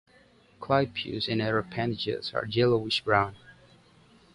Clypeus and other appendages are yellowish brown.